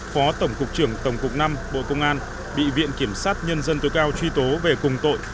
phó tổng cục trưởng tổng cục năm bộ công an bị viện kiểm sát nhân dân tối cao truy tố về cùng tội